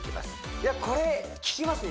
いやこれききますね